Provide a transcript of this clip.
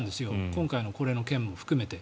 今回のこれの件も含めて。